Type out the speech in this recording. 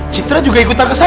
citra juga ikutan ke saya